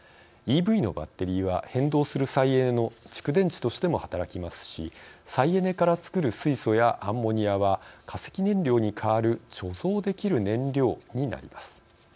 ＥＶのバッテリーは変動する再エネの蓄電池としても働きますし再エネから作る水素やアンモニアは化石燃料にかわる貯蔵できる燃料になります。